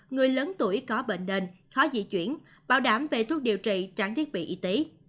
người lớn tuổi có bệnh nền khó di chuyển bảo đảm về thuốc điều trị trang thiết bị y tế